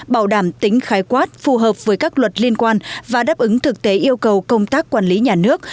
bảo đảm tính khái quát phù hợp với các luật liên quan và đáp ứng thực tế yêu cầu công tác quản lý nhà nước